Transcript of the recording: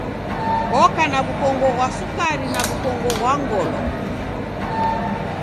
Oka na w'ukongo ghwa sukari na w'ukongo ghwa ngolo.